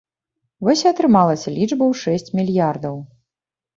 Вось і атрымалася лічба ў шэсць мільярдаў.